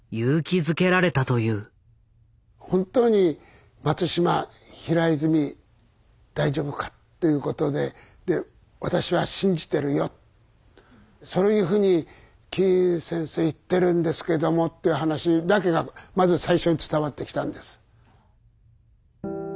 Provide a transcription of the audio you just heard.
「本当に松島平泉大丈夫か」ということで「私は信じてるよ」そういうふうにキーン先生言ってるんですけどもって話だけがまず最初に伝わってきたんです。